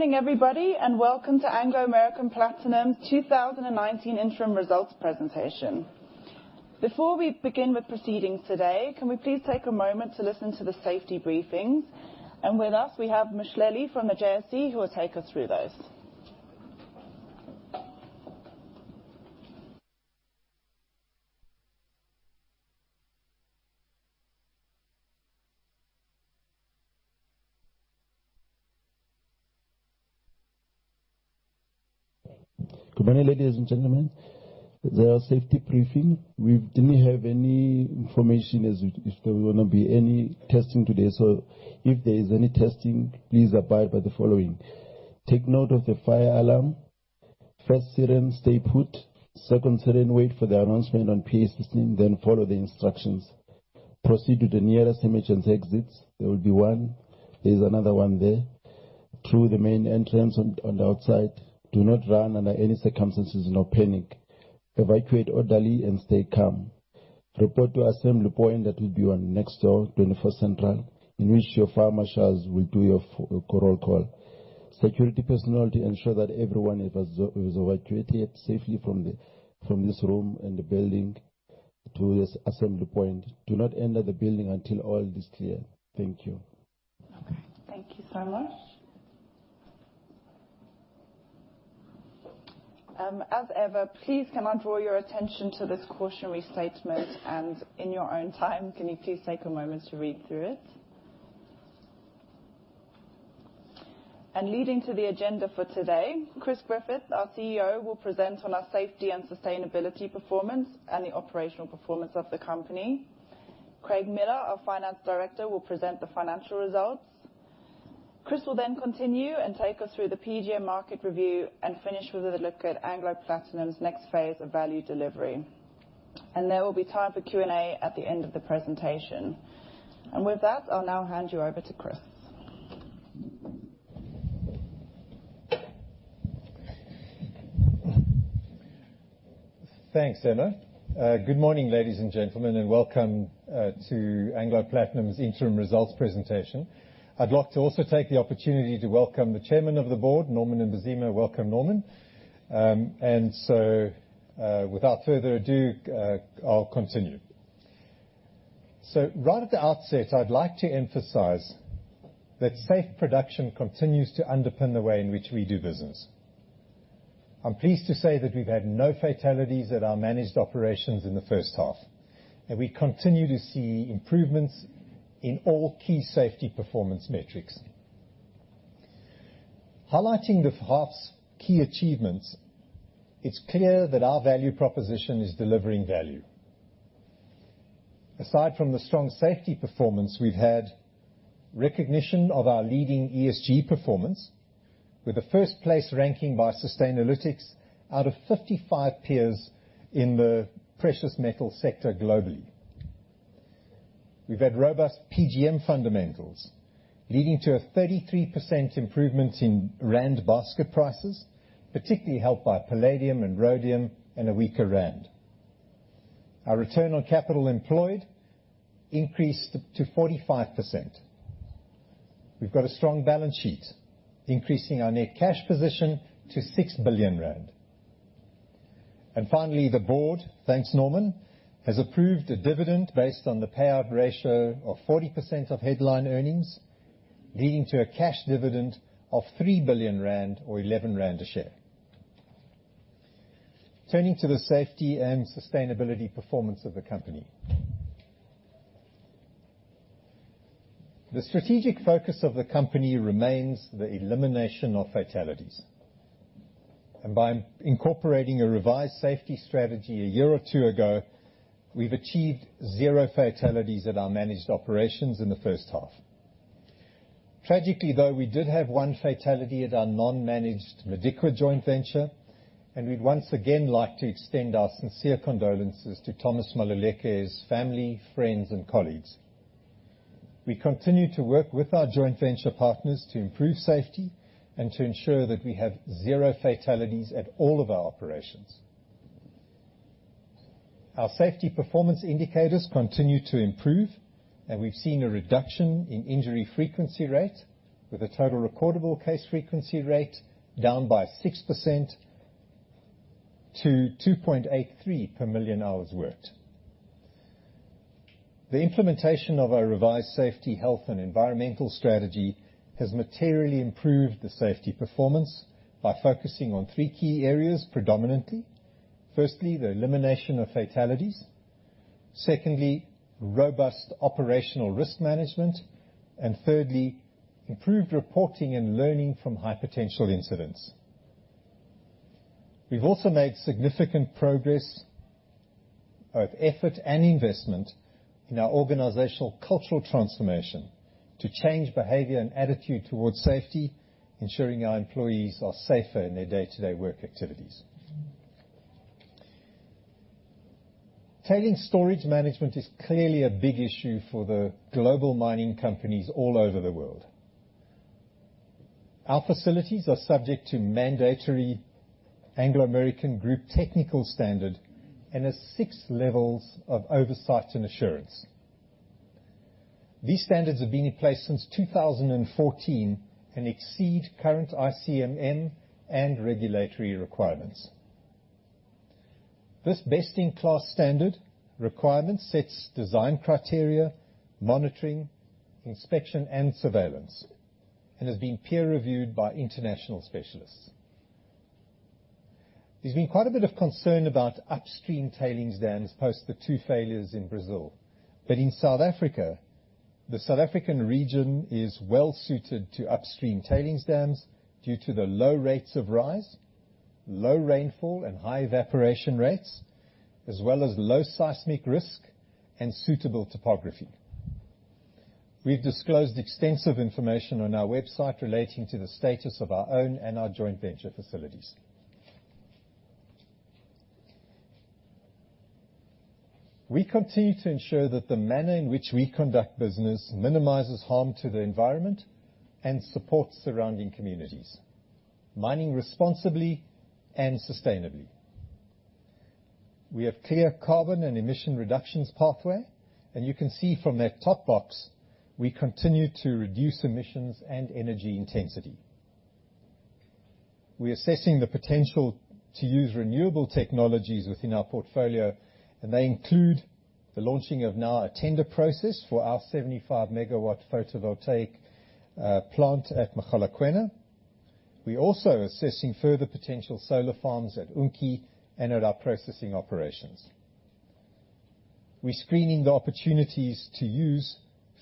Morning everybody, and welcome to Anglo American Platinum's 2019 interim results presentation. Before we begin with proceedings today, can we please take a moment to listen to the safety briefings. With us, we have Mashlele from the JSE who will take us through those. Good morning, ladies and gentlemen. The safety briefing, we didn't have any information as if there were going to be any testing today. If there is any testing, please abide by the following. Take note of the fire alarm. First siren, stay put. Second siren, wait for the announcement on PA system, follow the instructions. Proceed to the nearest emergency exits. There will be one. There's another one there. Through the main entrance on the outside. Do not run under any circumstances, nor panic. Evacuate orderly and stay calm. Report to assembly point, that will be on next door, 24 Central, in which your fire marshals will do your roll call. Security personnel to ensure that everyone has evacuated safely from this room and the building to this assembly point. Do not enter the building until all is clear. Thank you. Okay. Thank you so much. As ever, please can I draw your attention to this cautionary statement, and in your own time, can you please take a moment to read through it. Leading to the agenda for today, Chris Griffith, our CEO, will present on our safety and sustainability performance and the operational performance of the company. Craig Miller, our Finance Director, will present the financial results. Chris will continue and take us through the PGM market review and finish with a look at Anglo Platinum's next phase of value delivery. There will be time for Q&A at the end of the presentation. With that, I'll now hand you over to Chris. Thanks, Emma. Good morning, ladies and gentlemen, welcome to Anglo Platinum's interim results presentation. I'd like to also take the opportunity to welcome the chairman of the board, Norman Mbazima. Welcome, Norman. Without further ado, I'll continue. Right at the outset, I'd like to emphasize that safe production continues to underpin the way in which we do business. I'm pleased to say that we've had no fatalities at our managed operations in the first half, we continue to see improvements in all key safety performance metrics. Highlighting the half's key achievements, it's clear that our value proposition is delivering value. Aside from the strong safety performance, we've had recognition of our leading ESG performance with a first-place ranking by Sustainalytics out of 55 peers in the precious metal sector globally. We've had robust PGM fundamentals, leading to a 33% improvement in rand basket prices, particularly helped by palladium and rhodium and a weaker rand. Our return on capital employed increased to 45%. We've got a strong balance sheet, increasing our net cash position to 6 billion rand. Finally, the board, thanks Norman, has approved a dividend based on the payout ratio of 40% of headline earnings, leading to a cash dividend of 3 billion rand or 11 rand a share. Turning to the safety and sustainability performance of the company. The strategic focus of the company remains the elimination of fatalities. By incorporating a revised safety strategy a year or two ago, we've achieved zero fatalities at our managed operations in the first half. Tragically, though, we did have one fatality at our non-managed Madikwe joint venture, and we'd once again like to extend our sincere condolences to Thomas Maluleke's family, friends, and colleagues. We continue to work with our joint venture partners to improve safety and to ensure that we have zero fatalities at all of our operations. Our safety performance indicators continue to improve, and we've seen a reduction in injury frequency rate with a total recordable case frequency rate down by 6% to 2.83 per million hours worked. The implementation of our revised safety, health, and environmental strategy has materially improved the safety performance by focusing on three key areas predominantly. Firstly, the elimination of fatalities. Secondly, robust operational risk management. Thirdly, improved reporting and learning from high potential incidents. We've also made significant progress, both effort and investment, in our organizational cultural transformation to change behavior and attitude towards safety, ensuring our employees are safer in their day-to-day work activities. Tailings storage management is clearly a big issue for the global mining companies all over the world. Our facilities are subject to mandatory Anglo American Group technical standard and have six levels of oversight and assurance. These standards have been in place since 2014 and exceed current ICMM and regulatory requirements. This best-in-class standard requirement sets design criteria, monitoring, inspection, and surveillance, and has been peer-reviewed by international specialists. There's been quite a bit of concern about upstream tailings dams post the two failures in Brazil. In South Africa, the South African region is well-suited to upstream tailings dams due to the low rates of rise, low rainfall, and high evaporation rates, as well as low seismic risk and suitable topography. We've disclosed extensive information on our website relating to the status of our own and our joint venture facilities. We continue to ensure that the manner in which we conduct business minimizes harm to the environment and supports surrounding communities, mining responsibly and sustainably. We have clear carbon and emission reductions pathway, and you can see from that top box, we continue to reduce emissions and energy intensity. We're assessing the potential to use renewable technologies within our portfolio, and they include the launching of now a tender process for our 75 MW photovoltaic plant at Mogalakwena. We're also assessing further potential solar farms at Unki and at our processing operations. We're screening the opportunities to use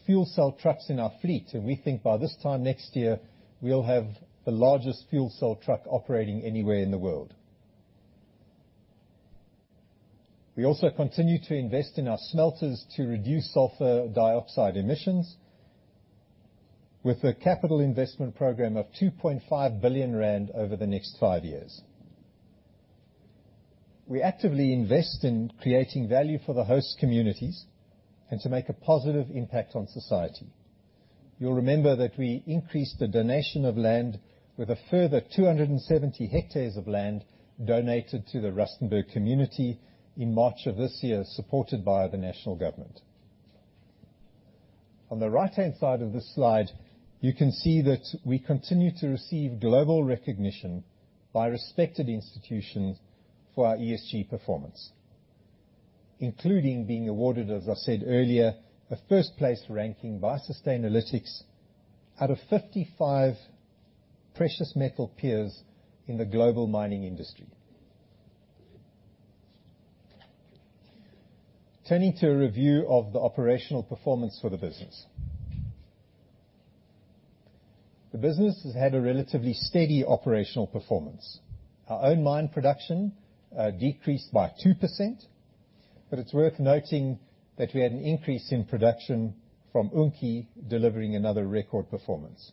fuel cell trucks in our fleet, and we think by this time next year, we'll have the largest fuel cell truck operating anywhere in the world. We also continue to invest in our smelters to reduce sulfur dioxide emissions with a capital investment program of 2.5 billion rand over the next five years. We actively invest in creating value for the host communities and to make a positive impact on society. You'll remember that we increased the donation of land with a further 270 hectares of land donated to the Rustenburg community in March of this year, supported by the national government. On the right-hand side of the slide, you can see that we continue to receive global recognition by respected institutions for our ESG performance, including being awarded, as I said earlier, a first-place ranking by Sustainalytics out of 55 precious metal peers in the global mining industry. Turning to a review of the operational performance for the business. The business has had a relatively steady operational performance. Our own mine production decreased by 2%. It's worth noting that we had an increase in production from Unki delivering another record performance.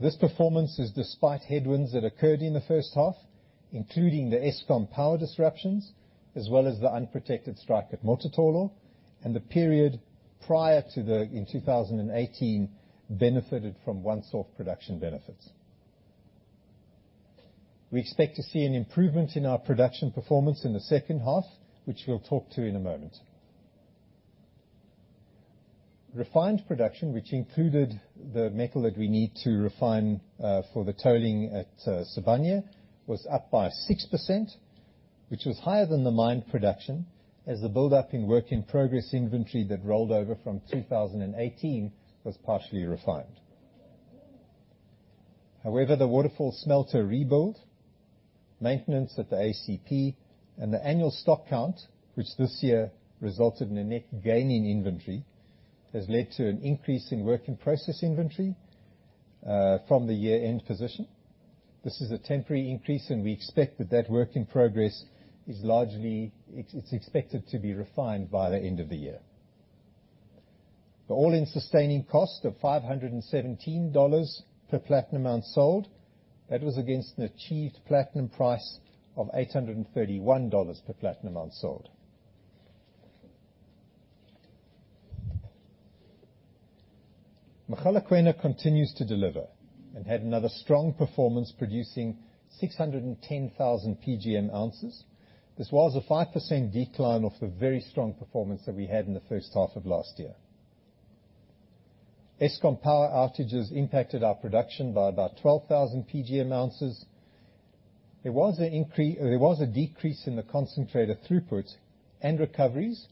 This performance is despite headwinds that occurred in the first half, including the Eskom power disruptions, as well as the unprotected strike at Mototolo. The period prior to in 2018 benefited from 1 South production benefits. We expect to see an improvement in our production performance in the second half, which we'll talk to in a moment. Refined production, which included the metal that we need to refine for the tolling at Sibanye, was up by 6%, which was higher than the mine production as the buildup in work-in-progress inventory that rolled over from 2018 was partially refined. The Waterval smelter rebuild, maintenance at the ACP, and the annual stock count, which this year resulted in a net gain in inventory, has led to an increase in work-in-progress inventory from the year-end position. This is a temporary increase, and we expect that work-in-progress is expected to be refined by the end of the year. The all-in sustaining cost of $517 per platinum ounce sold, that was against an achieved platinum price of $831 per platinum ounce sold. Mogalakwena continues to deliver and had another strong performance, producing 610,000 PGM ounces. This was a 5% decline off the very strong performance that we had in the first half of last year. Eskom power outages impacted our production by about 12,000 PGM ounces. There was a decrease in the concentrator throughput and recoveries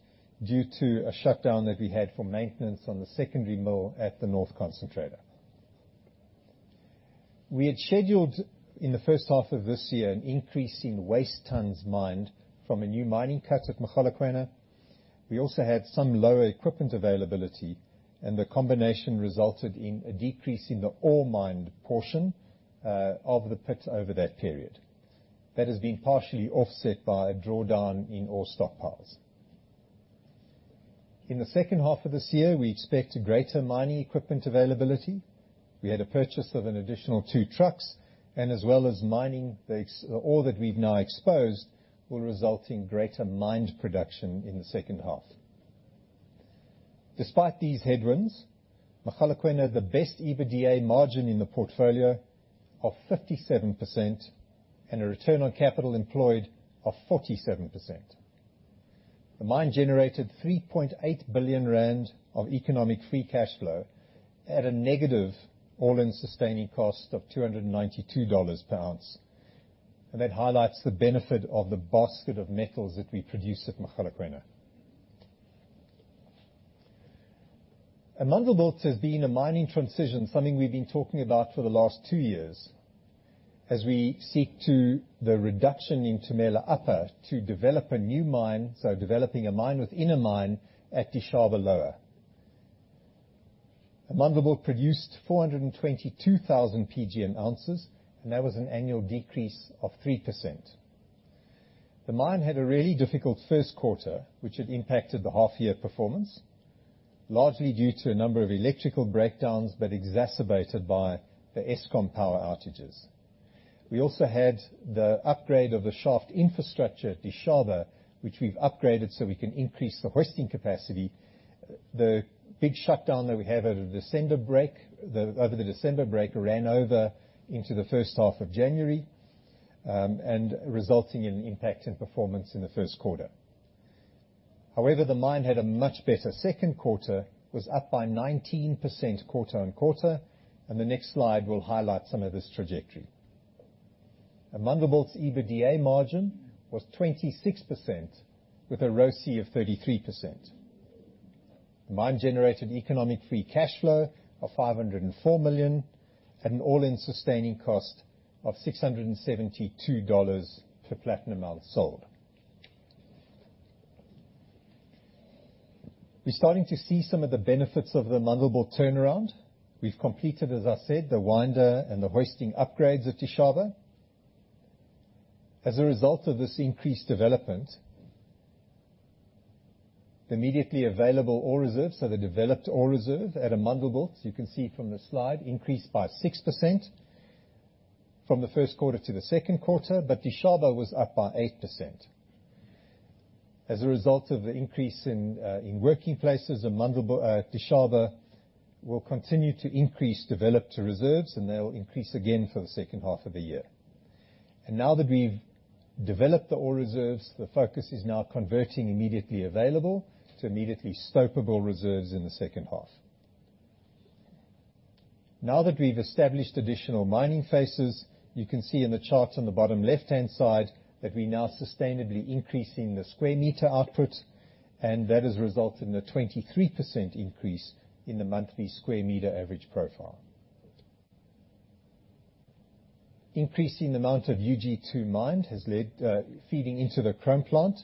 due to a shutdown that we had for maintenance on the secondary mill at the North concentrator. We had scheduled in the first half of this year an increase in waste tonnes mined from a new mining cut at Mogalakwena. We also had some lower equipment availability, and the combination resulted in a decrease in the ore mined portion of the pit over that period. That has been partially offset by a drawdown in ore stockpiles. In the second half of this year, we expect greater mining equipment availability. We had a purchase of an additional two trucks, and as well as mining the ore that we've now exposed will result in greater mined production in the second half. Despite these headwinds, Mogalakwena had the best EBITDA margin in the portfolio of 57%, and a return on capital employed of 47%. The mine generated 3.8 billion rand of economic free cash flow at a negative all-in sustaining cost of $292 per ounce, and that highlights the benefit of the basket of metals that we produce at Mogalakwena. Amandelbult has been a mining transition, something we've been talking about for the last two years as we seek to the reduction in Tumela Upper to develop a new mine. Developing a mine within a mine at Dishaba Lower. Amandelbult produced 422,000 PGM ounces, and that was an annual decrease of 3%. The mine had a really difficult first quarter, which had impacted the half year performance, largely due to a number of electrical breakdowns, but exacerbated by the Eskom power outages. We also had the upgrade of the shaft infrastructure at Dishaba, which we've upgraded so we can increase the hoisting capacity. The big shutdown that we had over the December break ran over into the first half of January, and resulting in an impact in performance in the first quarter. However, the mine had a much better second quarter, was up by 19% quarter-on-quarter, and the next slide will highlight some of this trajectory. Amandelbult's EBITDA margin was 26%, with a ROCE of 33%. The mine generated economic free cash flow of 504 million at an all-in sustaining cost of $672 per platinum ounce sold. We're starting to see some of the benefits of the Amandelbult turnaround. We've completed, as I said, the winder and the hoisting upgrades at Dishaba. As a result of this increased development, the immediately available ore reserve, so the developed ore reserve at Amandelbult, you can see from the slide, increased by 6% from the first quarter to the second quarter. Dishaba was up by 8%. As a result of the increase in working faces, Dishaba will continue to increase developed ore reserves. They'll increase again for the second half of the year. Now that we've developed the ore reserves, the focus is now converting immediately available to immediately stopable reserves in the second half. Now that we've established additional mining faces, you can see in the chart on the bottom left-hand side that we're now sustainably increasing the square meter output, and that has resulted in a 23% increase in the monthly square meter average profile. Increasing the amount of UG2 mined has led to feeding into the chrome plant,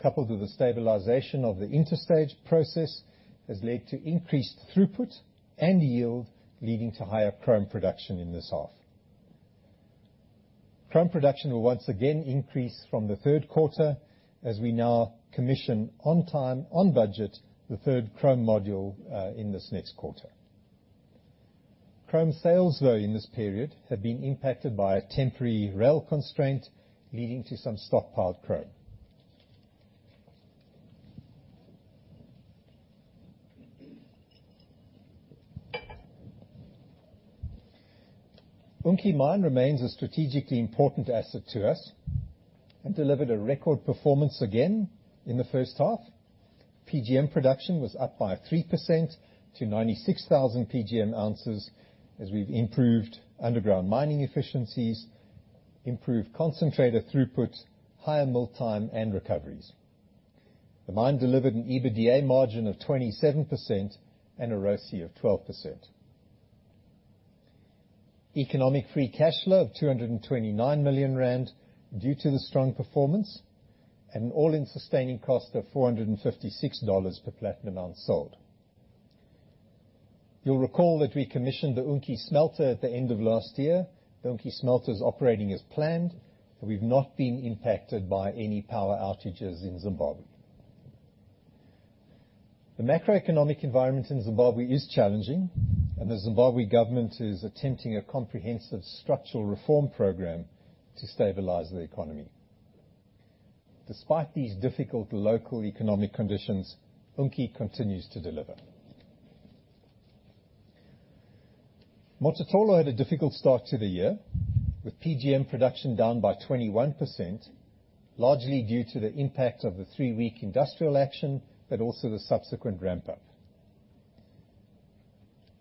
coupled with the stabilization of the interstage process, has led to increased throughput and yield, leading to higher chrome production in this half. Chrome production will once again increase from the third quarter as we now commission on time, on budget, the third chrome module in this next quarter. Chrome sales, though, in this period have been impacted by a temporary rail constraint, leading to some stockpiled chrome. Unki mine remains a strategically important asset to us and delivered a record performance again in the first half. PGM production was up by 3% to 96,000 PGM ounces, as we've improved underground mining efficiencies, improved concentrator throughput, higher mill time, and recoveries. The mine delivered an EBITDA margin of 27% and a ROCE of 12%. Economic free cash flow of 229 million rand due to the strong performance, and an all-in sustaining cost of $456 per platinum ounce sold. You'll recall that we commissioned the Unki smelter at the end of last year. The Unki smelter is operating as planned, and we've not been impacted by any power outages in Zimbabwe. The macroeconomic environment in Zimbabwe is challenging, and the Zimbabwe government is attempting a comprehensive structural reform program to stabilize the economy. Despite these difficult local economic conditions, Unki continues to deliver. Mototolo had a difficult start to the year, with PGM production down by 21%, largely due to the impact of the three-week industrial action, but also the subsequent ramp up.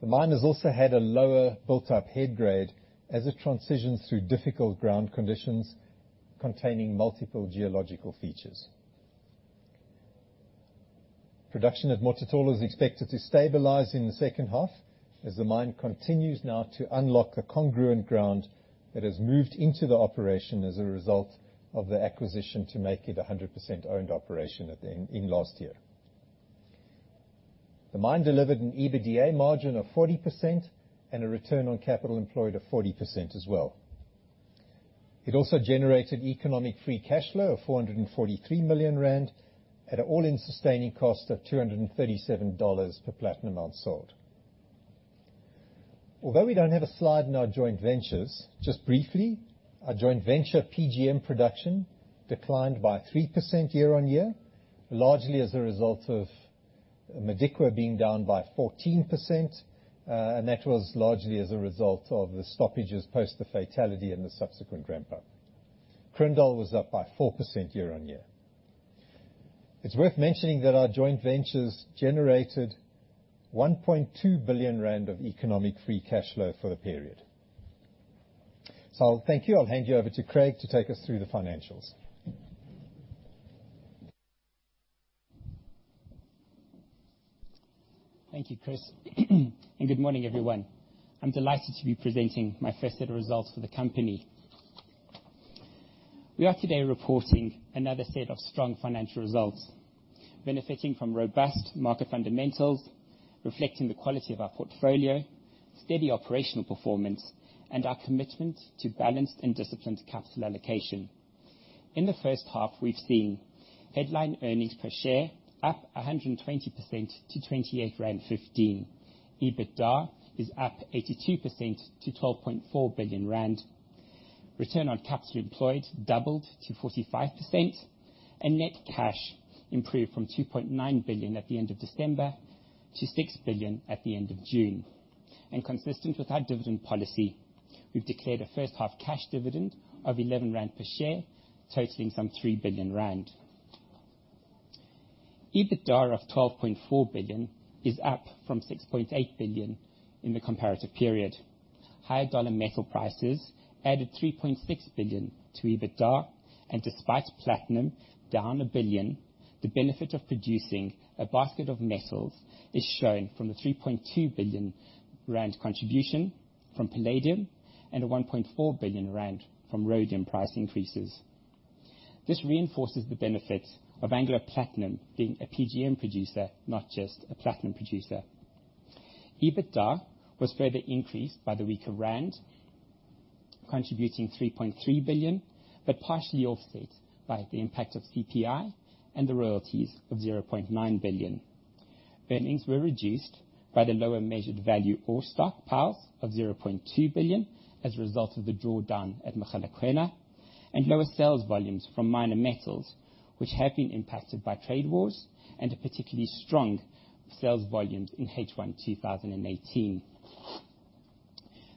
The mine has also had a lower built-up head grade as it transitions through difficult ground conditions containing multiple geological features. Production at Mototolo is expected to stabilize in the second half as the mine continues now to unlock the contiguous ground that has moved into the operation as a result of the acquisition to make it 100% owned operation in last year. The mine delivered an EBITDA margin of 40% and a return on capital employed of 40% as well. It also generated economic free cash flow of 443 million rand at an all-in sustaining cost of $237 per platinum ounce sold. We don't have a slide in our joint ventures, just briefly, our joint venture PGM production declined by 3% year-on-year, largely as a result of Modikwa being down by 14%, that was largely as a result of the stoppages post the fatality and the subsequent ramp-up. Kroondal was up by 4% year-on-year. It is worth mentioning that our joint ventures generated 1.2 billion rand of economic free cash flow for the period. Thank you. I will hand you over to Craig to take us through the financials. Thank you, Chris. Good morning, everyone. I'm delighted to be presenting my first set of results for the company. We are today reporting another set of strong financial results, benefiting from robust market fundamentals, reflecting the quality of our portfolio, steady operational performance, and our commitment to balanced and disciplined capital allocation. In the first half, we've seen headline earnings per share up 120% to 28.15 rand. EBITDA is up 82% to 12.4 billion rand. Return on capital employed doubled to 45%, and net cash improved from 2.9 billion at the end of December to 6 billion at the end of June. Consistent with our dividend policy, we've declared a first-half cash dividend of 11 rand per share, totaling some 3 billion rand. EBITDA of 12.4 billion is up from 6.8 billion in the comparative period. Higher dollar metal prices added 3.6 billion to EBITDA, and despite platinum down 1 billion, the benefit of producing a basket of metals is shown from the 3.2 billion rand contribution from palladium and a 1.4 billion rand from rhodium price increases. This reinforces the benefit of Anglo Platinum being a PGM producer, not just a platinum producer. EBITDA was further increased by the weaker rand, contributing 3.3 billion, but partially offset by the impact of CPI and the royalties of 0.9 billion. Earnings were reduced by the lower measured value ore stockpiles of 0.2 billion as a result of the drawdown at Mogalakwena, and lower sales volumes from minor metals, which have been impacted by trade wars and a particularly strong sales volume in H1 2018.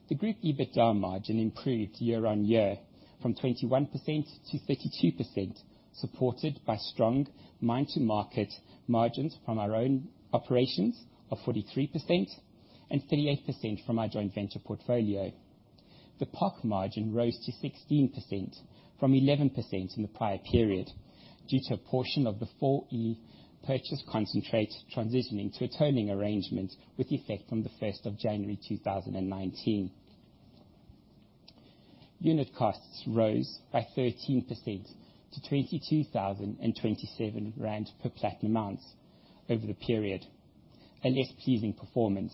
The group EBITDA margin improved year-on-year from 21% to 32%, supported by strong mine-to-market margins from our own operations of 43% and 38% from our joint venture portfolio. The POC margin rose to 16% from 11% in the prior period due to a portion of the 4E purchase concentrate transitioning to a tolling arrangement with effect on the 1st of January 2019. Unit costs rose by 13% to 22,027 rand per platinum ounce over the period. A less pleasing performance.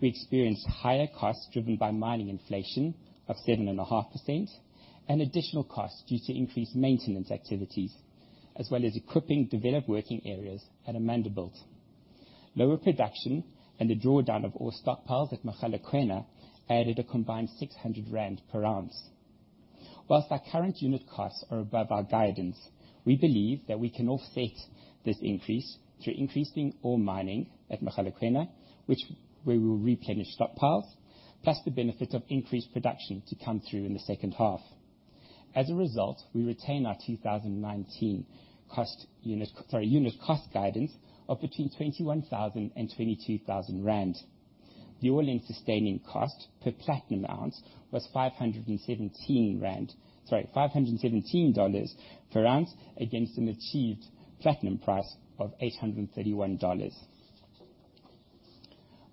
We experienced higher costs driven by mining inflation of 7.5% and additional costs due to increased maintenance activities, as well as equipping developed working areas at Amandelbult. Lower production and a drawdown of ore stockpiles at Mogalakwena added a combined 600 rand per ounce. Whilst our current unit costs are above our guidance, we believe that we can offset this increase through increasing ore mining at Mogalakwena, which we will replenish stockpiles, plus the benefit of increased production to come through in the second half. As a result, we retain our 2019 unit cost guidance of between 21,000 and 22,000 rand. The all-in sustaining cost per platinum ounce was $517 per ounce against an achieved platinum price of $831.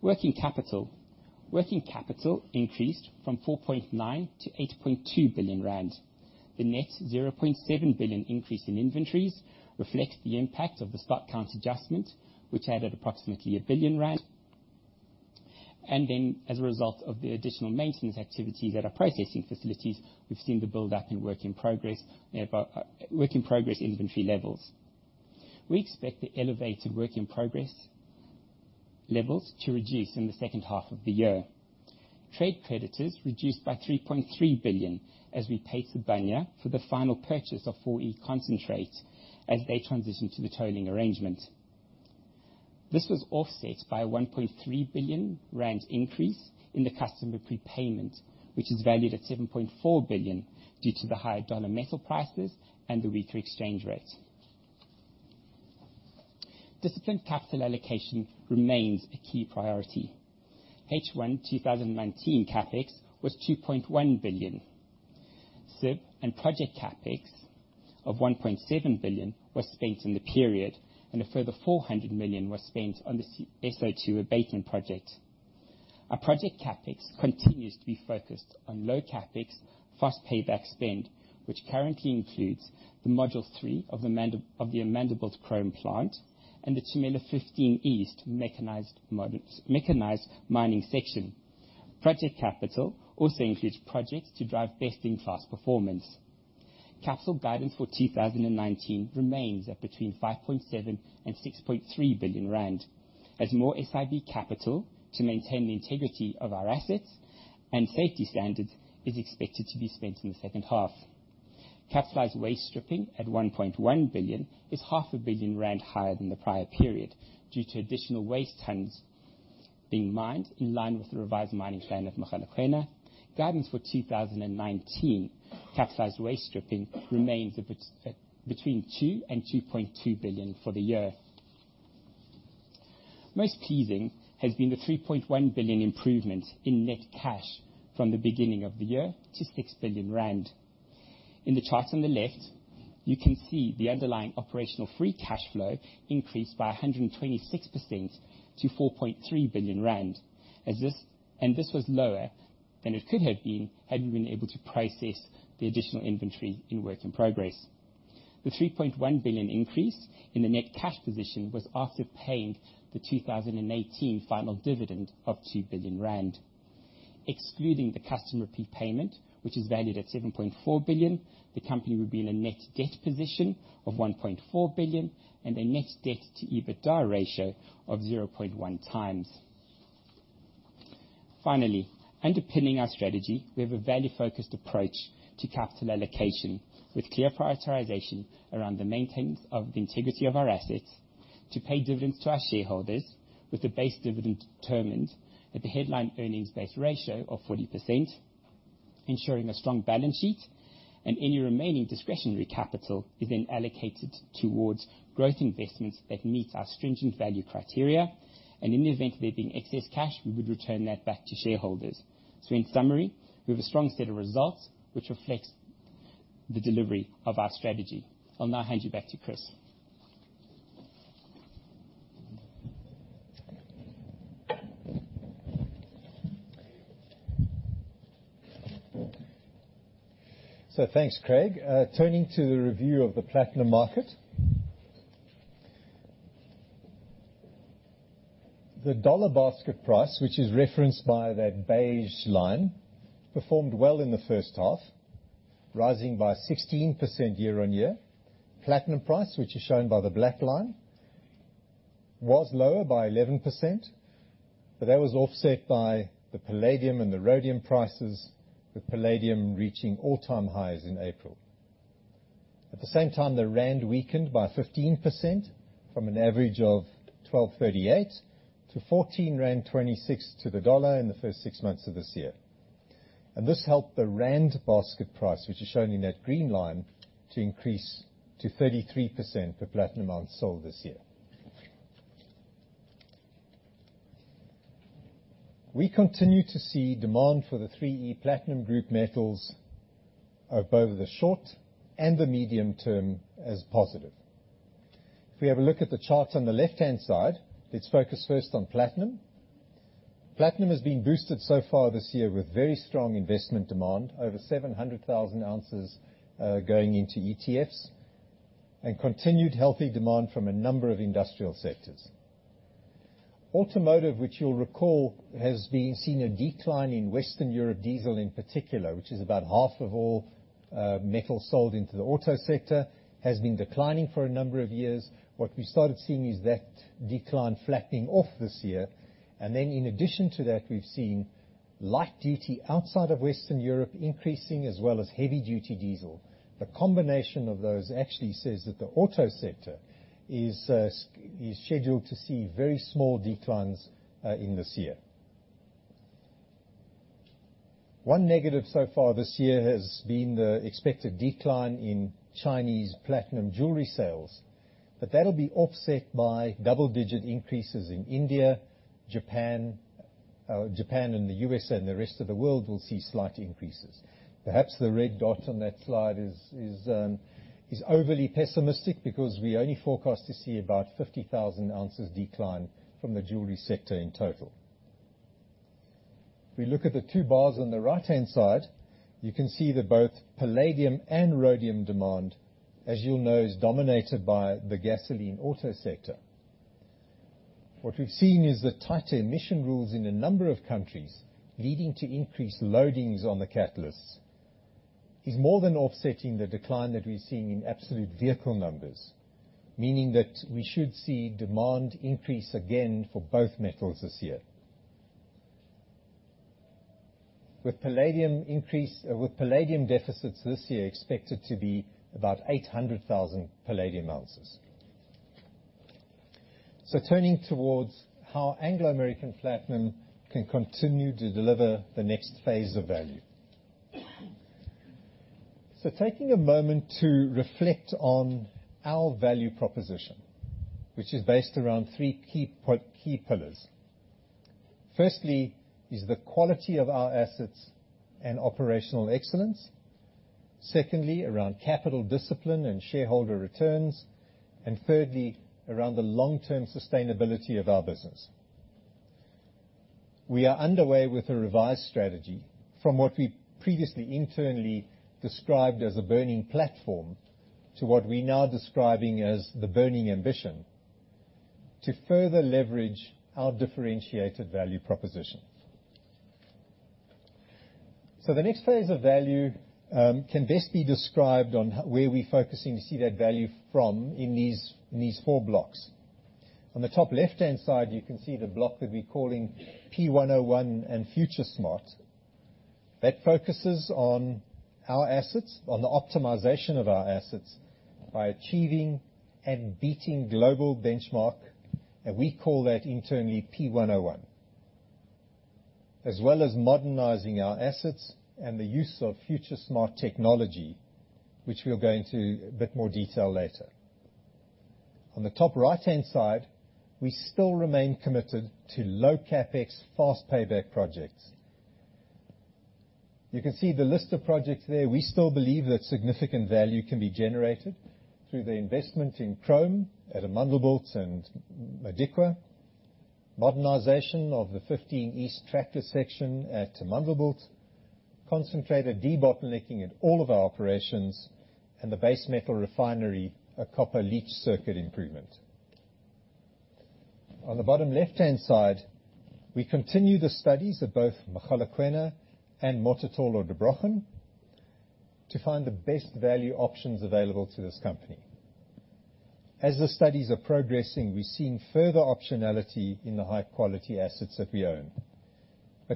Working capital. Working capital increased from 4.9 billion to 8.2 billion rand. The net 0.7 billion increase in inventories reflect the impact of the stock count adjustment, which added approximately 1 billion rand. As a result of the additional maintenance activities at our processing facilities, we've seen the build-up in work-in-progress inventory levels. We expect the elevated work-in-progress levels to reduce in the second half of the year. Trade creditors reduced by 3.3 billion as we paid Sibanye for the final purchase of 4E concentrate as they transitioned to the tolling arrangement. This was offset by a 1.3 billion rand increase in the customer prepayment, which is valued at 7.4 billion due to the higher dollar metal prices and the weaker exchange rates. Disciplined capital allocation remains a key priority. H1 2019 CapEx was 2.1 billion. SIB and project CapEx of 1.7 billion was spent in the period. A further 400 million was spent on the SO2 abatement project. Our project CapEx continues to be focused on low CapEx fast payback spend, which currently includes the module 3 of the Amandelbult chrome plant and the Tumela 15 East mechanized mining section. Project capital also includes projects to drive best-in-class performance. Capital guidance for 2019 remains between 5.7 billion and 6.3 billion rand, as more SIB capital to maintain the integrity of our assets and safety standards is expected to be spent in the second half. Capitalized waste stripping at 1.1 billion is half a billion rand higher than the prior period due to additional waste tonnes being mined in line with the revised mining plan of Mogalakwena. Guidance for 2019, capitalized waste stripping remains between 2 billion and 2.2 billion for the year. Most pleasing has been the 3.1 billion improvement in net cash from the beginning of the year to 6 billion rand. In the chart on the left, you can see the underlying operational free cash flow increased by 126% to 4.3 billion rand. This was lower than it could have been had we been able to process the additional inventory in work in progress. The 3.1 billion increase in the net cash position was after paying the 2018 final dividend of 2 billion rand. Excluding the customer prepayment, which is valued at 7.4 billion, the company would be in a net debt position of 1.4 billion and a net debt to EBITDA ratio of 0.1x. Finally, underpinning our strategy, we have a value-focused approach to capital allocation, with clear prioritization around the maintenance of the integrity of our assets, to pay dividends to our shareholders, with the base dividend determined at the headline earnings base ratio of 40%, ensuring a strong balance sheet, any remaining discretionary capital is then allocated towards growth investments that meet our stringent value criteria. In the event there being excess cash, we would return that back to shareholders. In summary, we have a strong set of results, which reflects the delivery of our strategy. I'll now hand you back to Chris. Thanks, Craig. Turning to the review of the platinum market. The dollar basket price, which is referenced by that beige line, performed well in the first half, rising by 16% year on year. Platinum price, which is shown by the black line, was lower by 11%. That was offset by the palladium and the rhodium prices, with palladium reaching all-time highs in April. At the same time, the rand weakened by 15% from an average of 12.38 to 14.26 to the dollar in the first six months of this year. This helped the rand basket price, which is shown in that green line, to increase to 33% for platinum ounce sold this year. We continue to see demand for the 3E platinum group metals of both the short and the medium term as positive. If we have a look at the charts on the left-hand side, let's focus first on platinum. Platinum has been boosted so far this year with very strong investment demand, over 700,000 oz going into ETFs, and continued healthy demand from a number of industrial sectors. Automotive, which you'll recall, has been seeing a decline in Western Europe diesel in particular, which is about half of all metal sold into the auto sector, has been declining for a number of years. What we started seeing is that decline flattening off this year. In addition to that, we've seen light-duty outside of Western Europe increasing as well as heavy-duty diesel. The combination of those actually says that the auto sector is scheduled to see very small declines in this year. One negative so far this year has been the expected decline in Chinese platinum jewelry sales. That'll be offset by double-digit increases in India, Japan, and the U.S., and the rest of the world will see slight increases. Perhaps the red dot on that slide is overly pessimistic because we only forecast to see about 50,000 oz decline from the jewelry sector in total. If we look at the two bars on the right-hand side, you can see that both palladium and rhodium demand, as you'll know, is dominated by the gasoline auto sector. What we've seen is the tighter emission rules in a number of countries, leading to increased loadings on the catalysts, is more than offsetting the decline that we're seeing in absolute vehicle numbers, meaning that we should see demand increase again for both metals this year. With palladium deficits this year expected to be about 800,000 palladium ounces. Turning towards how Anglo American Platinum can continue to deliver the next phase of value. Taking a moment to reflect on our value proposition, which is based around three key pillars. Firstly is the quality of our assets and operational excellence. Secondly, around capital discipline and shareholder returns. Thirdly, around the long-term sustainability of our business. We are underway with a revised strategy from what we previously internally described as a burning platform to what we're now describing as the burning ambition to further leverage our differentiated value proposition. The next phase of value can best be described on where we're focusing to see that value from in these four blocks. On the top left-hand side, you can see the block that we're calling P101 and FutureSmart. That focuses on our assets, on the optimization of our assets by achieving and beating global benchmark, and we call that internally P101. As well as modernizing our assets and the use of FutureSmart technology, which we'll go into a bit more detail later. On the top right-hand side, we still remain committed to low CapEx, fast payback projects. You can see the list of projects there. We still believe that significant value can be generated through the investment in chrome at Amandelbult and Modikwa, modernization of the 15 East tractor section at Amandelbult, concentrate de-bottlenecking at all of our operations, and the base metal refinery, a copper leach circuit improvement. On the bottom left-hand side, we continue the studies of both Mogalakwena and Mototolo/Der Brochen to find the best value options available to this company. As the studies are progressing, we're seeing further optionality in the high-quality assets that we own.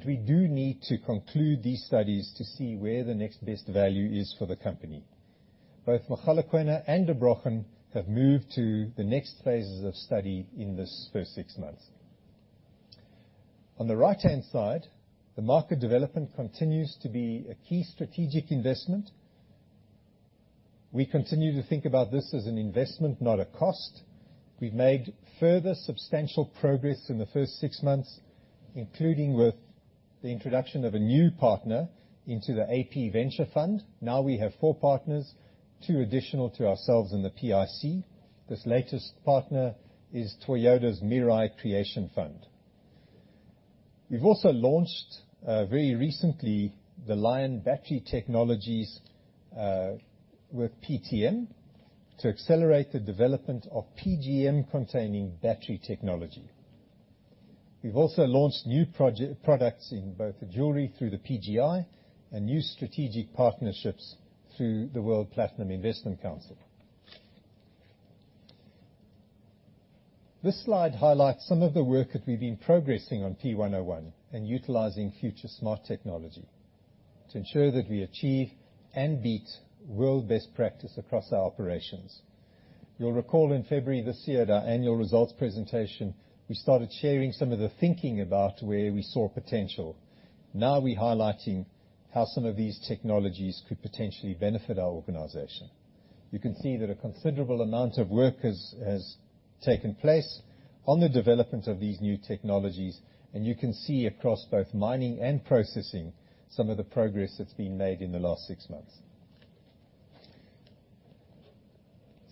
We do need to conclude these studies to see where the next best value is for the company. Both Mogalakwena and Der Brochen have moved to the next phases of study in this first six months. On the right-hand side, the market development continues to be a key strategic investment. We continue to think about this as an investment, not a cost. We've made further substantial progress in the first six months, including with the introduction of a new partner into the AP Ventures Fund. Now we have four partners, two additional to ourselves and the PIC. This latest partner is Toyota's Mirai Creation Fund. We've also launched, very recently, the Lion Battery Technologies, with PTM to accelerate the development of PGM-containing battery technology. We've also launched new products in both the jewelry through the PGI and new strategic partnerships through the World Platinum Investment Council. This slide highlights some of the work that we've been progressing on P101 and utilizing FutureSmart technology to ensure that we achieve and beat world-best practice across our operations. You'll recall in February this year at our annual results presentation, we started sharing some of the thinking about where we saw potential. Now we're highlighting how some of these technologies could potentially benefit our organization. You can see that a considerable amount of work has taken place on the development of these new technologies, and you can see across both mining and processing some of the progress that's been made in the last six months.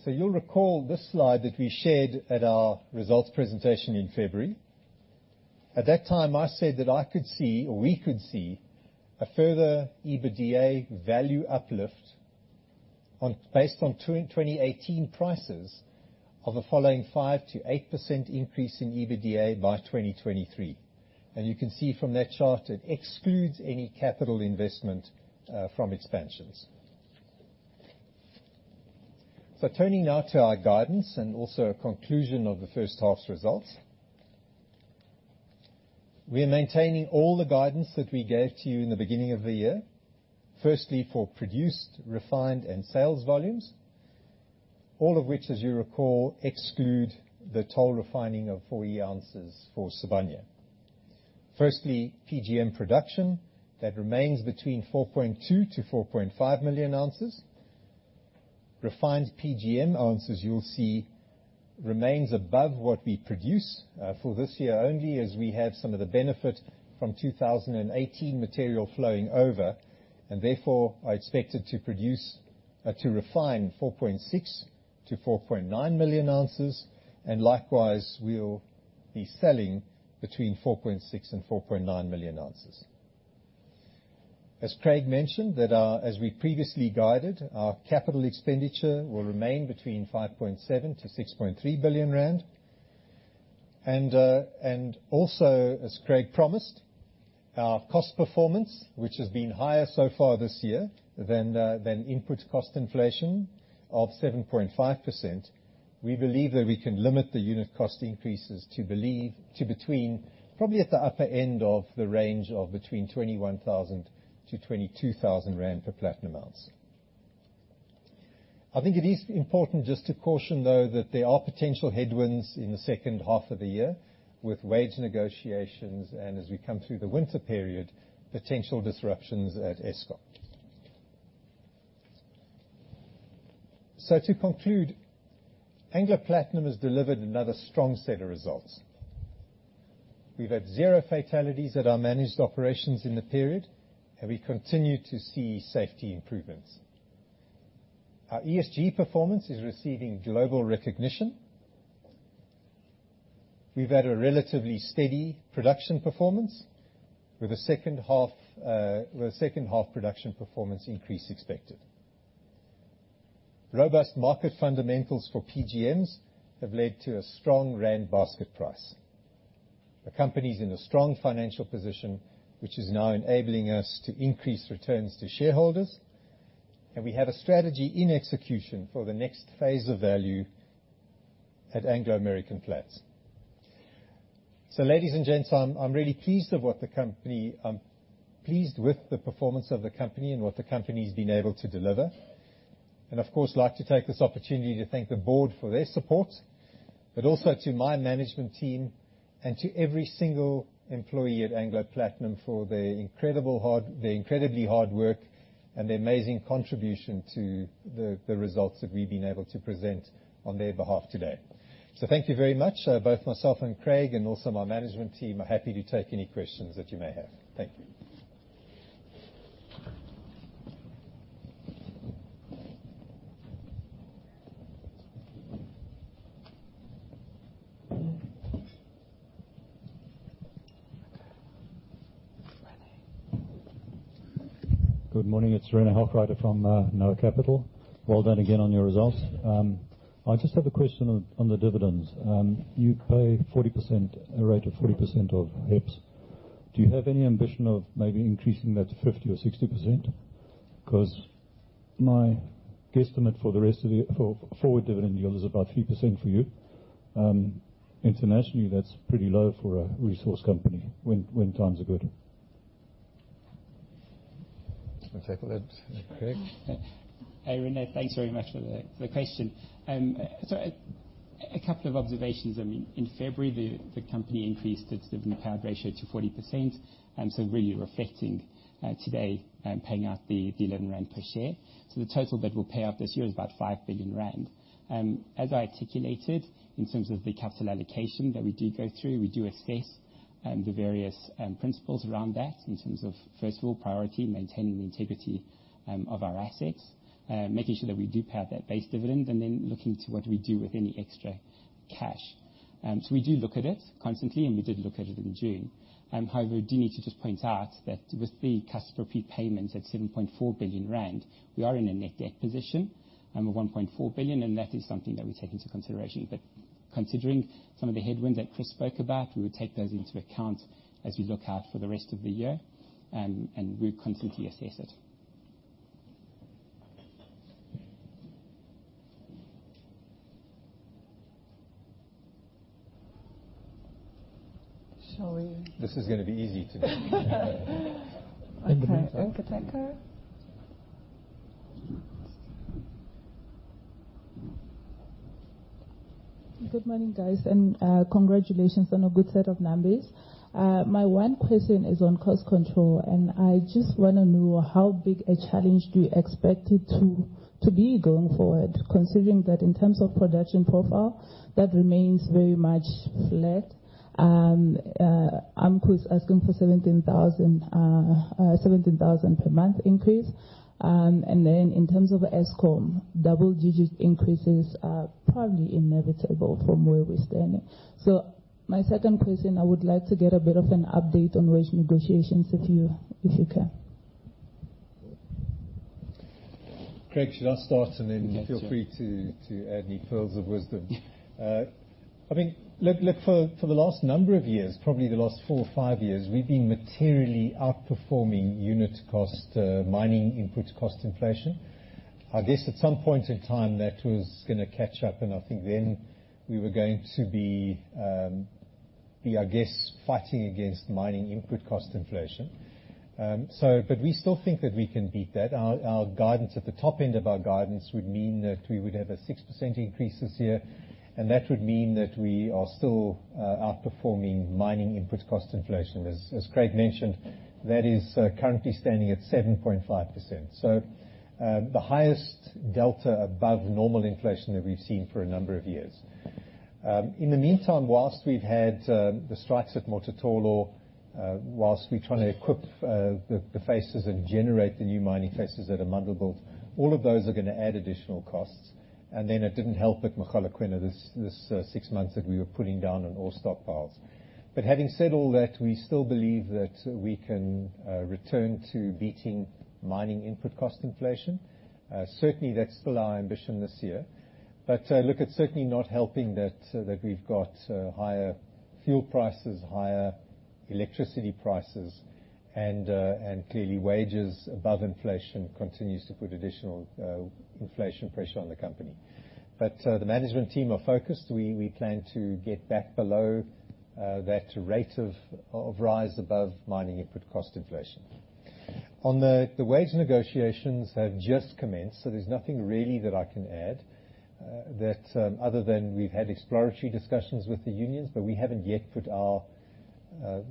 You'll recall this slide that we shared at our results presentation in February. At that time, I said that I could see, or we could see, a further EBITDA value uplift based on 2018 prices of the following 5%-8% increase in EBITDA by 2023. You can see from that chart, it excludes any capital investment from expansions. Turning now to our guidance and also our conclusion of the first half's results. We are maintaining all the guidance that we gave to you in the beginning of the year. Firstly, for produced, refined, and sales volumes, all of which, as you recall, exclude the toll refining of four ounces for Sibanye. Firstly, PGM production, that remains between 4.2 Moz-4.5 Moz. Refined PGM ounces, you'll see, remains above what we produce for this year only as we have some of the benefit from 2018 material flowing over, and therefore, are expected to refine 4.6 Moz-4.9 Moz, and likewise, we'll be selling between 4.6 Moz and 4.9 Moz. As Craig mentioned, that as we previously guided, our capital expenditure will remain between 5.7 billion-6.3 billion rand. Also, as Craig promised, our cost performance, which has been higher so far this year than input cost inflation of 7.5%. We believe that we can limit the unit cost increases to between probably at the upper end of the range of between 21,000-22,000 rand per platinum ounce. I think it is important just to caution, though, that there are potential headwinds in the second half of the year with wage negotiations and as we come through the winter period, potential disruptions at Eskom. To conclude, Anglo Platinum has delivered another strong set of results. We've had zero fatalities at our managed operations in the period, and we continue to see safety improvements. Our ESG performance is receiving global recognition. We've had a relatively steady production performance with a second half production performance increase expected. Robust market fundamentals for PGMs have led to a strong rand basket price. The company's in a strong financial position, which is now enabling us to increase returns to shareholders. We have a strategy in execution for the next phase of value at Anglo American Platinum. Ladies and gents, I'm really pleased with the performance of the company, and what the company's been able to deliver. Of course, I'd like to take this opportunity to thank the board for their support, but also to my management team and to every single employee at Anglo Platinum for their incredibly hard work and their amazing contribution to the results that we've been able to present on their behalf today. Thank you very much. Both myself and Craig, and also my management team are happy to take any questions that you may have. Thank you. Good morning. It's René Hochreiter from Noah Capital. Well done again on your results. I just have a question on the dividends. You pay a rate of 40% of EPS. Do you have any ambition of maybe increasing that to 50% or 60%? My guesstimate for forward dividend yield is about 3% for you. Internationally, that's pretty low for a resource company when times are good. Want to take that, Craig? Hey, René. Thanks very much for the question. A couple of observations. I mean, in February, the company increased its dividend payout ratio to 40%. Really reflecting today, paying out the 11 rand per share. The total that we'll pay out this year is about 5 billion rand. As I articulated in terms of the capital allocation that we did go through, we do assess the various principles around that in terms of, first of all, priority, maintaining the integrity of our assets, making sure that we do pay out that base dividend, and then looking to what do we do with any extra cash. We do look at it constantly, and we did look at it in June. I do need to just point out that with the customer prepayments at 7.4 billion rand, we are in a net debt position of 1.4 billion, and that is something that we take into consideration. Considering some of the headwinds that Chris spoke about, we would take those into account as we look out for the rest of the year. We constantly assess it. Shall we. This is gonna be easy today. Okay. Onke Teko. Good morning, guys. Congratulations on a good set of numbers. My one question is on cost control, and I just want to know how big a challenge do you expect it to be going forward, considering that in terms of production profile, that remains very much flat. AMCU is asking for 17,000 per month increase. In terms of Eskom, double-digit increases are probably inevitable from where we're standing. My second question, I would like to get a bit of an update on wage negotiations, if you can. Craig, should I start? Sure. Then you feel free to add any pearls of wisdom. I mean, look, for the last number of years, probably the last four or five years, we've been materially outperforming unit cost, mining input cost inflation. I guess at some point in time that was gonna catch up, and I think then we were going to be, I guess, fighting against mining input cost inflation. We still think that we can beat that. Our guidance at the top end of our guidance would mean that we would have a 6% increase this year, and that would mean that we are still outperforming mining input cost inflation. As Craig mentioned, that is currently standing at 7.5%. The highest delta above normal inflation that we've seen for a number of years. In the meantime, whilst we've had the strikes at Mototolo, whilst we're trying to equip the faces and generate the new mining faces at Amandelbult. All of those are gonna add additional costs. Then it didn't help at Mogalakwena this six months that we were putting down on ore stockpiles. Having said all that, we still believe that we can return to beating mining input cost inflation. Certainly, that's still our ambition this year. Look, it's certainly not helping that we've got higher fuel prices, higher electricity prices, and clearly wages above inflation continues to put additional inflation pressure on the company. The management team are focused. We plan to get back below that rate of rise above mining input cost inflation. The wage negotiations have just commenced. There's nothing really that I can add other than we've had exploratory discussions with the unions.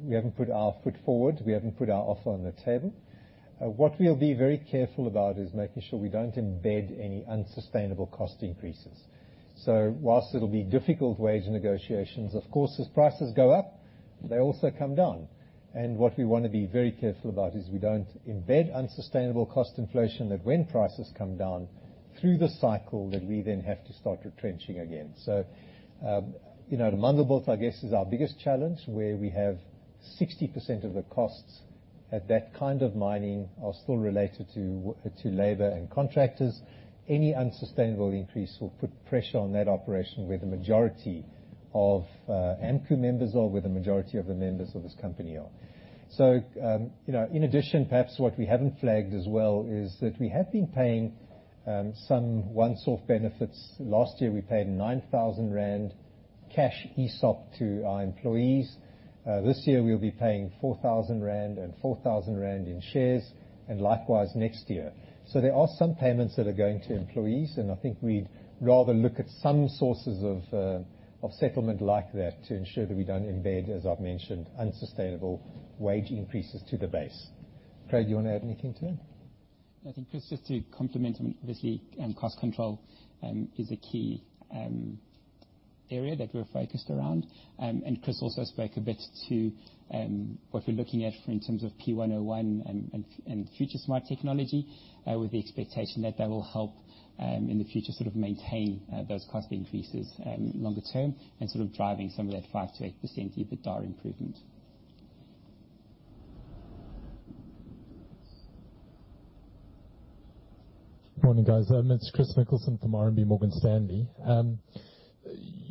We haven't put our foot forward. We haven't put our offer on the table. What we'll be very careful about is making sure we don't embed any unsustainable cost increases. Whilst it'll be difficult wage negotiations, of course, as prices go up, they also come down. What we want to be very careful about is we don't embed unsustainable cost inflation that when prices come down through the cycle, that we then have to start retrenching again. Amandelbult, I guess, is our biggest challenge, where we have 60% of the costs at that kind of mining are still related to labor and contractors. Any unsustainable increase will put pressure on that operation where the majority of AMCU members are, where the majority of the members of this company are. In addition, perhaps what we haven't flagged as well is that we have been paying some once-off benefits. Last year, we paid 9,000 rand cash ESOP to our employees. This year, we'll be paying 4,000 rand and 4,000 rand in shares, and likewise next year. There are some payments that are going to employees, and I think we'd rather look at some sources of settlement like that to ensure that we don't embed, as I've mentioned, unsustainable wage increases to the base. Craig, do you want to add anything to that? I think, Chris, just to complement, obviously, cost control is a key area that we're focused around. Chris also spoke a bit to what we're looking at in terms of P101 and FutureSmart technology, with the expectation that that will help, in the future, sort of maintain those cost increases longer term and sort of driving some of that 5%-8% EBITDA improvement. Morning, guys. It's Chris Nicholson from RMB Morgan Stanley.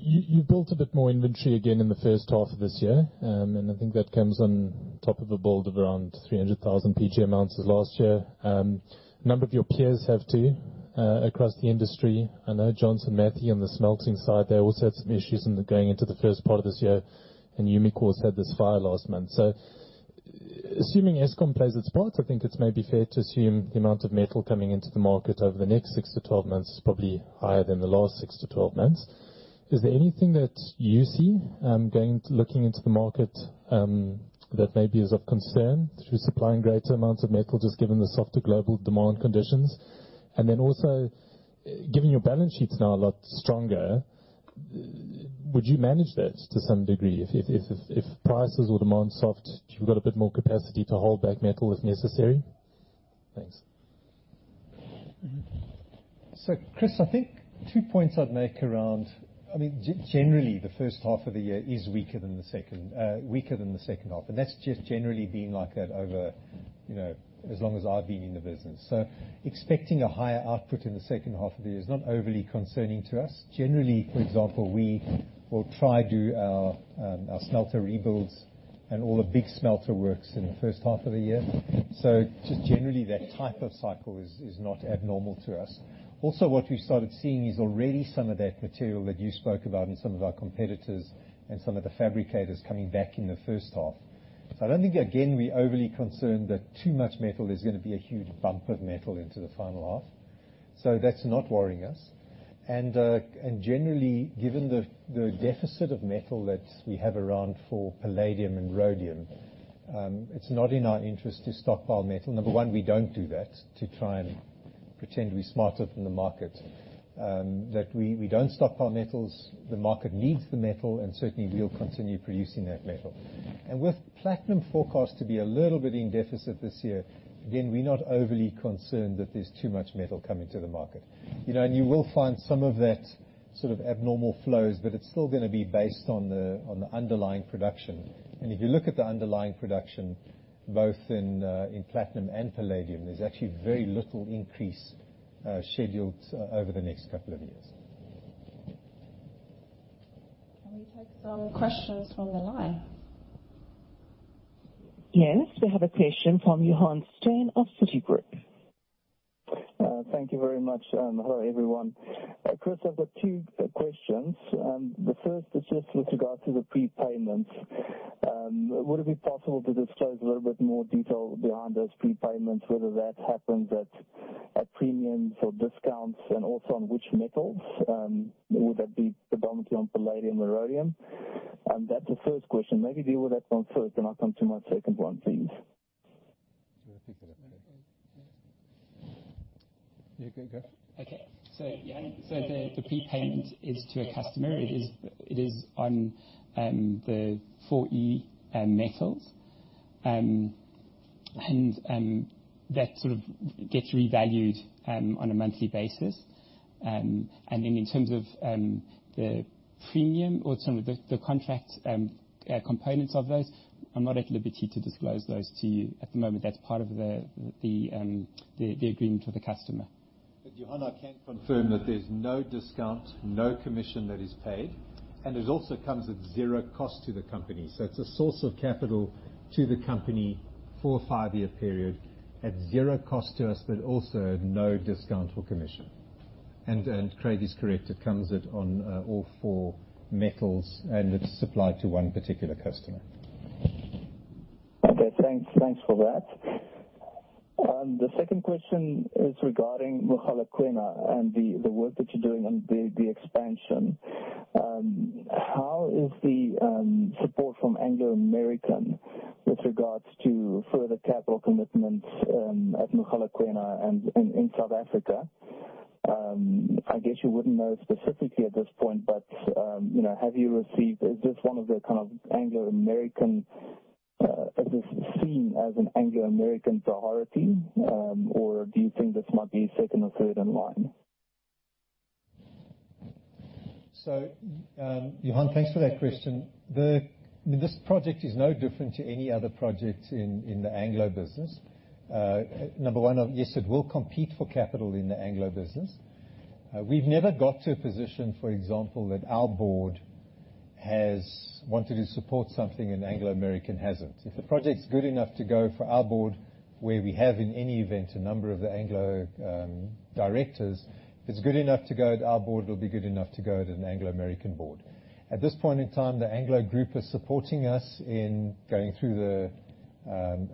You've built a bit more inventory again in the first half of this year. I think that comes on top of a build of around 300,000 PGM amounts as last year. A number of your peers have too, across the industry. I know Johnson Matthey on the smelting side there also had some issues going into the first part of this year. Umicore's had this fire last month. Assuming Eskom plays its part, I think it's maybe fair to assume the amount of metal coming into the market over the next 6-12 months is probably higher than the last 6-12 months. Is there anything that you see, looking into the market, that maybe is of concern through supplying greater amounts of metal, just given the softer global demand conditions? Given your balance sheet's now a lot stronger, would you manage that to some degree if prices or demand soft, you've got a bit more capacity to hold back metal if necessary? Thanks. Chris, I think two points I'd make around I mean, generally, the first half of the year is weaker than the second half, and that's just generally been like that over as long as I've been in the business. Expecting a higher output in the second half of the year is not overly concerning to us. Generally, for example, we will try do our smelter rebuilds and all the big smelter works in the first half of the year. Just generally, that type of cycle is not abnormal to us. Also, what we started seeing is already some of that material that you spoke about in some of our competitors and some of the fabricators coming back in the first half. I don't think, again, we're overly concerned that too much metal is going to be a huge bump of metal into the final half. That's not worrying us. Generally, given the deficit of metal that we have around for palladium and rhodium, it's not in our interest to stockpile metal. Number one, we don't do that to try and pretend to be smarter than the market, that we don't stockpile metals. The market needs the metal, and certainly we'll continue producing that metal. With platinum forecast to be a little bit in deficit this year, again, we're not overly concerned that there's too much metal coming to the market. You will find some of that sort of abnormal flows, but it's still going to be based on the underlying production. If you look at the underlying production, both in platinum and palladium, there's actually very little increase scheduled over the next couple of years. Can we take some questions from the line? Yes. We have a question from Johann Steyn of Citigroup. Thank you very much. Hello, everyone. Chris, I've got two questions. The first is just with regards to the prepayments. Would it be possible to disclose a little bit more detail behind those prepayments, whether that happens at premiums or discounts, and also on which metals? Would that be predominantly on palladium or rhodium? That's the first question. Maybe deal with that one first, then I'll come to my second one, please. Do you want to pick it up, Craig? Yeah, go. The prepayment is to a customer. It is on the 4E metals. That sort of gets revalued on a monthly basis. In terms of the premium or some of the contract components of those, I'm not at liberty to disclose those to you at the moment. That's part of the agreement with the customer. Johann, I can confirm that there's no discount, no commission that is paid, and it also comes at zero cost to the company. It's a source of capital to the company for a five-year period at zero cost to us, but also at no discount or commission. Craig is correct. It comes on all four metals, and it's supplied to one particular customer. Okay, thanks for that. The second question is regarding Mogalakwena and the work that you're doing on the expansion. How is the support from Anglo American with regards to further capital commitments at Mogalakwena and in South Africa? I guess you wouldn't know specifically at this point, but is this seen as an Anglo American priority, or do you think this might be second or third in line? Johann, thanks for that question. This project is no different to any other project in the Anglo business. Number one, yes, it will compete for capital in the Anglo business. We've never got to a position, for example, that our board has wanted to support something and Anglo American hasn't. If the project's good enough to go for our board, where we have, in any event, a number of the Anglo directors, if it's good enough to go to our board, it will be good enough to go to an Anglo American board. At this point in time, the Anglo group is supporting us in going through the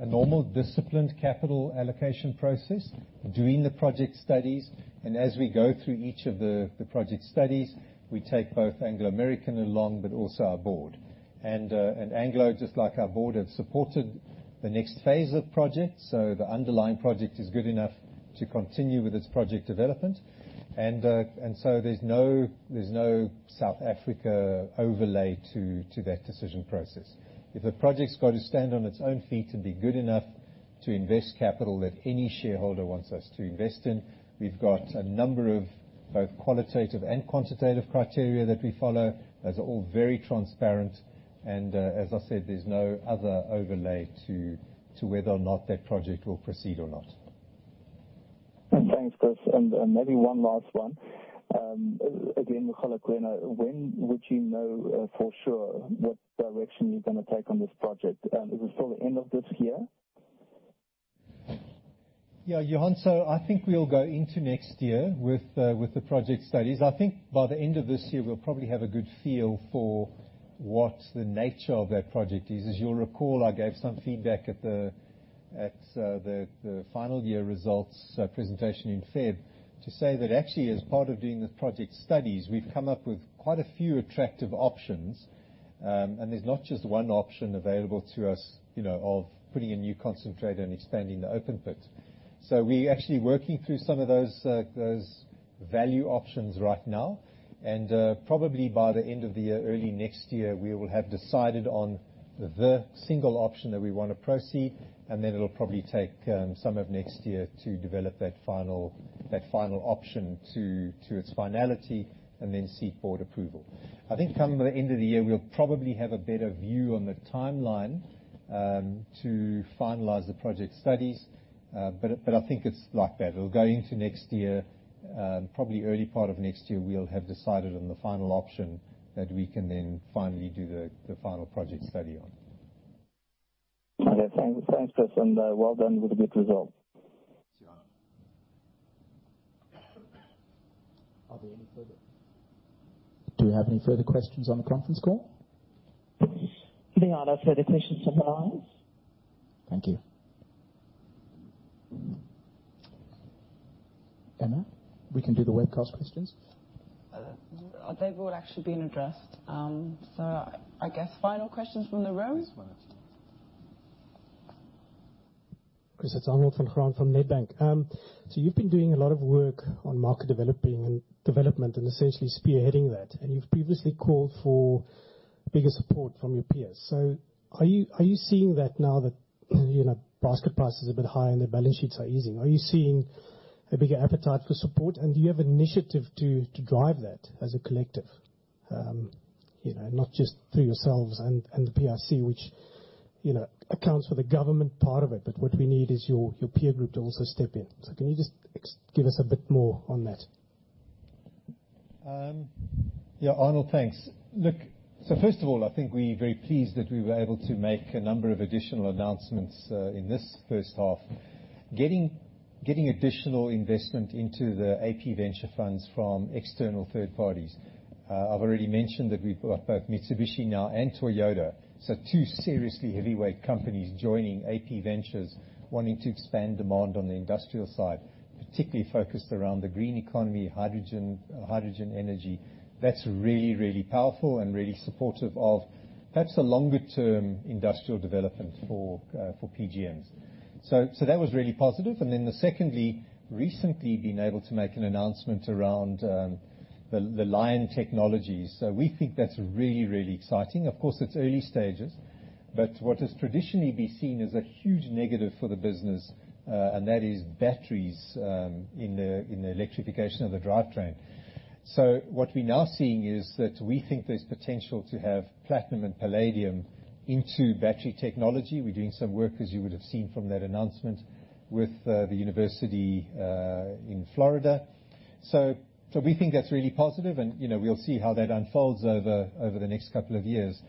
normal disciplined capital allocation process, doing the project studies, and as we go through each of the project studies, we take both Anglo American along, but also our board. Anglo, just like our board, have supported the next phase of projects. The underlying project is good enough to continue with its project development. There's no South Africa overlay to that decision process. If a project's got to stand on its own feet and be good enough to invest capital that any shareholder wants us to invest in, we've got a number of both qualitative and quantitative criteria that we follow that are all very transparent. As I said, there's no other overlay to whether or not that project will proceed or not. Thanks, Chris. Maybe one last one. Again, when would you know for sure what direction you're going to take on this project? Is it still the end of this year? Yeah, Johann, I think we'll go into next year with the project studies. I think by the end of this year, we'll probably have a good feel for what the nature of that project is. As you'll recall, I gave some feedback at the final year results presentation in February to say that actually, as part of doing the project studies, we've come up with quite a few attractive options. There's not just one option available to us, of putting a new concentrator and expanding the open pit. We're actually working through some of those value options right now. Probably by the end of the year, early next year, we will have decided on the single option that we want to proceed. It'll probably take some of next year to develop that final option to its finality and then seek board approval. I think come the end of the year, we'll probably have a better view on the timeline to finalize the project studies. I think it's like that. We'll go into next year, probably early part of next year, we'll have decided on the final option that we can then finally do the final project study on. Okay. Thanks, Chris, and well done with a good result. Thanks, Johann. Do we have any further questions on the conference call? There are no further questions on the lines. Thank you. Emma, we can do the webcast questions. They've all actually been addressed. I guess final questions from the room. Yes, why not. Chris, it's Arnold van Graan from Nedbank. You've been doing a lot of work on market development and essentially spearheading that. You've previously called for bigger support from your peers. Are you seeing that now that basket price is a bit high and their balance sheets are easing? Are you seeing a bigger appetite for support? Do you have an initiative to drive that as a collective? Not just through yourselves and the PIC, which accounts for the government part of it, but what we need is your peer group to also step in. Can you just give us a bit more on that? Yeah, Arnold, thanks. Look, first of all, I think we're very pleased that we were able to make a number of additional announcements in this first half. Getting additional investment into the AP Ventures funds from external third parties. I've already mentioned that we've got both Mitsubishi now and Toyota. Two seriously heavyweight companies joining AP Ventures wanting to expand demand on the industrial side, particularly focused around the green economy, hydrogen energy. That's really, really powerful and really supportive of that's the longer-term industrial development for PGMs. That was really positive. Then secondly, recently being able to make an announcement around the Lion Battery Technologies. We think that's really, really exciting. Of course, it's early stages, what has traditionally been seen as a huge negative for the business, and that is batteries in the electrification of the drivetrain. What we're now seeing is that we think there's potential to have platinum and palladium into battery technology. We're doing some work, as you would have seen from that announcement, with the university in Florida. We think that's really positive, and we'll see how that unfolds over the next couple of years.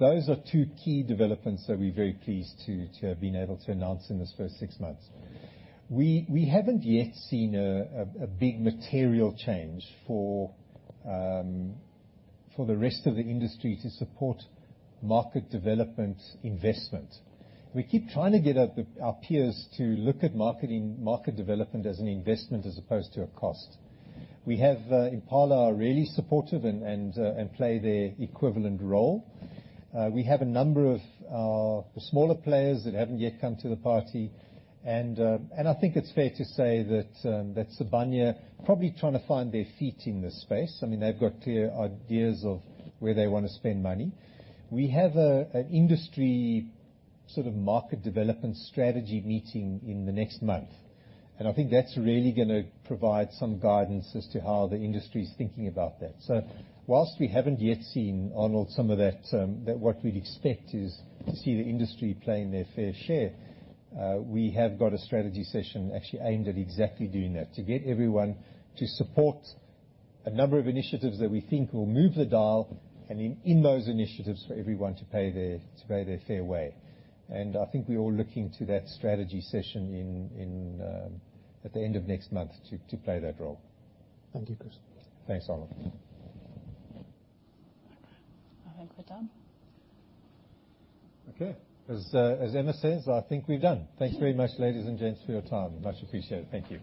Those are two key developments that we're very pleased to have been able to announce in this first six months. We haven't yet seen a big material change for the rest of the industry to support market development investment. We keep trying to get our peers to look at market development as an investment as opposed to a cost. Impala are really supportive and play their equivalent role. We have a number of smaller players that haven't yet come to the party, and I think it's fair to say that Sibanye are probably trying to find their feet in this space. I mean, they've got clear ideas of where they want to spend money. We have an industry sort of market development strategy meeting in the next month, and I think that's really going to provide some guidance as to how the industry is thinking about that. Whilst we haven't yet seen, Arnold, some of that, what we'd expect is to see the industry playing their fair share. We have got a strategy session actually aimed at exactly doing that, to get everyone to support a number of initiatives that we think will move the dial. In those initiatives for everyone to play their fair way. I think we're all looking to that strategy session at the end of next month to play that role. Thank you, Chris. Thanks, Arnold. Okay. I think we're done. Okay. As Emma says, I think we're done. Thank you very much, ladies and gents, for your time. Much appreciated. Thank you.